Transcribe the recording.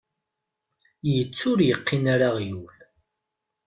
Yettu ur yeqqin ara aɣyul.